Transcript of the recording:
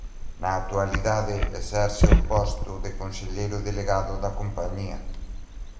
Na actualidade exerce o posto de conselleiro delegado da compañía.